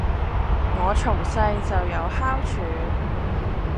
我從細就有哮喘